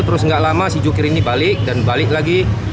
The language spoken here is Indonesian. terus nggak lama si jukir ini balik dan balik lagi